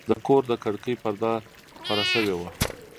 د کور د کړکۍ پرده خواره شوې وه.